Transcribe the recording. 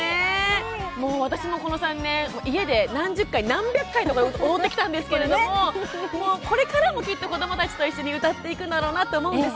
私も、この３年何百回と踊ってきたんですがこれからもきっと子どもたちと一緒に歌っていくだろうなと思います。